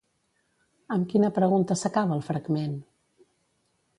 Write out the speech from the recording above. Amb quina pregunta s'acaba el fragment?